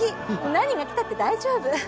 何がきたって大丈夫！